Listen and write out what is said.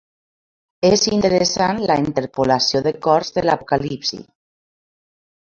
És interessant la interpolació de cors de l'Apocalipsi.